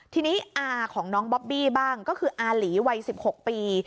ทีนี้อาของน้องบอบบี้บ้างก็คืออาหลีวัย๑๖ปี